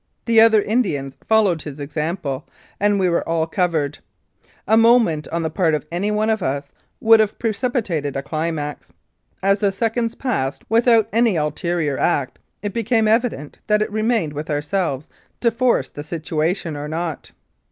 The other Indians followed his example, and we were all covered. A movement on the part of any one of us would have precipitated a climax. As the seconds passed without any ulterior act, it became evident that it remained with ourselves to force the situation or not.